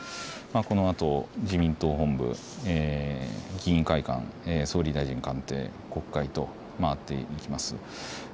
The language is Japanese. このあと自民党本部、議員会館、総理大臣官邸、国会と回っていきます。